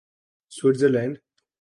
Switzer land